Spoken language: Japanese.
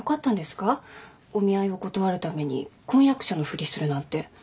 お見合いを断るために婚約者のふりするなんて。